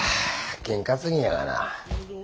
験担ぎやがな。